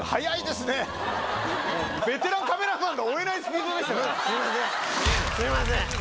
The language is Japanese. すみません。